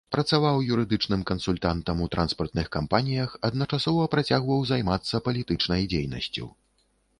Працаваў юрыдычным кансультантам у транспартных кампаніях, адначасова працягваў займацца палітычнай дзейнасцю.